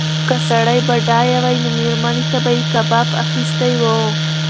که سړی بډایه وای نو مېرمنې ته به یې کباب اخیستی و.